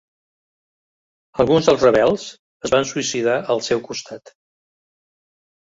Alguns dels rebels es van suïcidar al seu costat.